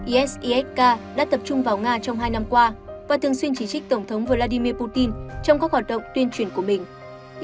isisk đã tập trung vào nga trong hai năm qua và thường xuyên chỉ trích tổng thống vladimir putin trong các hoạt động tuyên truyền của mình